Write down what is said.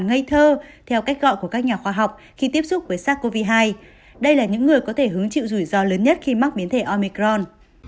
ngây thơ theo cách gọi của các nhà khoa học khi tiếp xúc với sars cov hai đây là những người có thể hứng chịu rủi ro lớn nhất khi mắc biến thể omicron